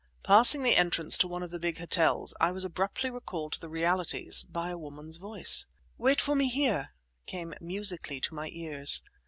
Passing the entrance to one of the big hotels, I was abruptly recalled to the realities—by a woman's voice. "Wait for me here," came musically to my ears.